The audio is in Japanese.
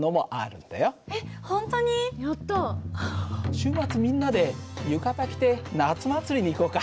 週末みんなで浴衣着て夏祭りに行こうか。